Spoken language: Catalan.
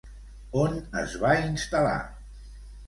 On es va instal·lar?